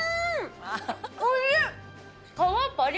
おいしい！